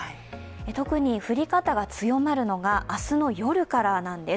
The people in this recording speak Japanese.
特に降り方が強まるのが、明日の夜からなんです。